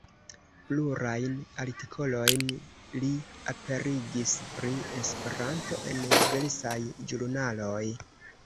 Plurajn artikolojn li aperigis pri Esperanto en diversaj ĵurnaloj.